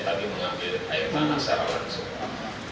tapi mengambil air tanah secara langsung